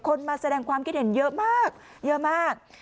มาแสดงความคิดเห็นเยอะมากเยอะมาก